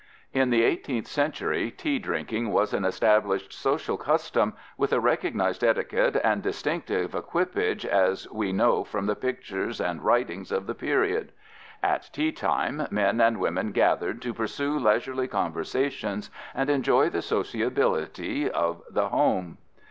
In the 18th century tea drinking was an established social custom with a recognized etiquette and distinctive equipage as we know from the pictures and writings of the period. At teatime men and women gathered to pursue leisurely conversations and enjoy the sociability of the home.